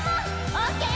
オッケー！！